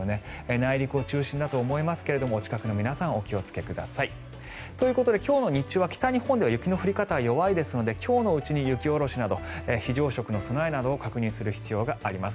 内陸を中心だと思いますがお近くの皆さんお気をつけください。ということで今日の日中は北日本では雪の降り方は弱いですので今日のうちに、雪下ろしなど非常食の備えなどを確認する必要があります。